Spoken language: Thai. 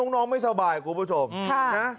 น้องไม่สามารถกูประจง